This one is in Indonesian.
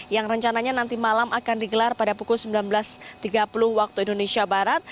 yang rencananya nanti malam akan digelar pada pukul sembilan belas tiga puluh waktu indonesia barat